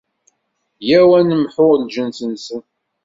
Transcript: Yyaw ad nemḥu lǧens-nsen.